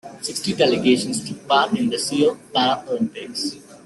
Sixty delegations took part in the Seoul Paralympics.